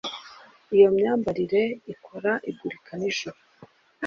Iyo myambarire ikora igurukanijoro